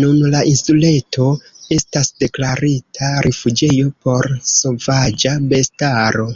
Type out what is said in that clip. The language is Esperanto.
Nun la insuleto estas deklarita rifuĝejo por sovaĝa bestaro.